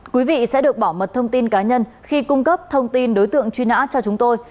quý vị sẽ được bảo mật thông tin cá nhân khi cung cấp thông tin đối tượng truy nã cho chúng tôi